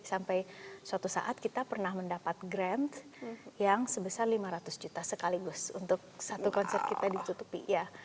sampai suatu saat kita pernah mendapat grand yang sebesar lima ratus juta sekaligus untuk satu konser kita ditutupi ya